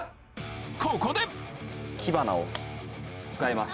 ここでキバナを使います。